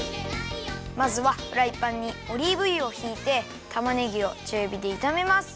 まずはフライパンにオリーブゆをひいてたまねぎをちゅうびでいためます。